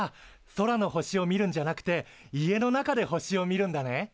空の星を見るんじゃなくて家の中で星を見るんだね？